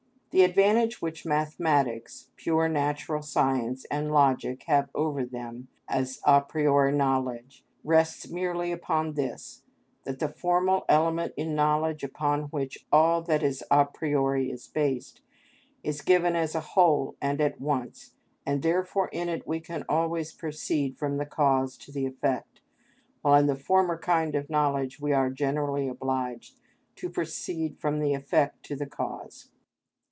The advantage which mathematics, pure natural science, and logic have over them, as a priori knowledge, rests merely upon this, that the formal element in knowledge upon which all that is a priori is based, is given as a whole and at once, and therefore in it we can always proceed from the cause to the effect, while in the former kind of knowledge we are generally obliged to proceed from the effect to the cause.